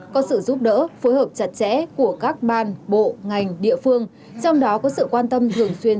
có sự giúp đỡ phối hợp chặt chẽ của các ban bộ ngành địa phương trong đó có sự quan tâm thường xuyên